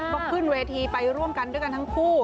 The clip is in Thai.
ก็ขึ้นเวทีไปร่วมกันด้วยกันทั้งคู่